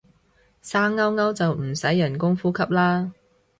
生勾勾就唔使人工呼吸啦